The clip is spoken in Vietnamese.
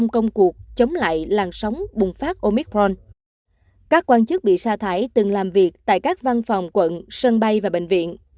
các quan chức bị sa thải từng làm việc tại các văn phòng quận sân bay và bệnh viện